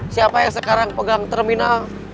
siapa yang sekarang pegang terminal